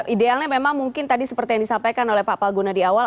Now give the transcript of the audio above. idealnya memang mungkin tadi seperti yang disampaikan oleh pak palguna di awal